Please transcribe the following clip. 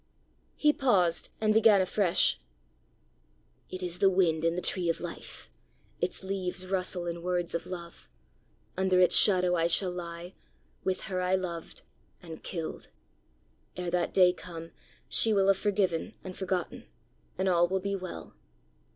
He paused, and began afresh: "It is the wind in the tree of life! Its leaves rustle in words of love. Under its shadow I shall lie, with her I loved and killed! Ere that day come, she will have forgiven and forgotten, and all will be well!